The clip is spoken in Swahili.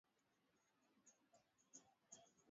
Kila mkono ukiwa na bastola moja